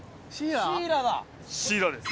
シイラです。